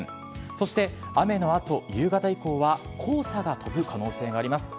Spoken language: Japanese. そして、雨のあと夕方以降は黄砂が飛ぶ可能性があります。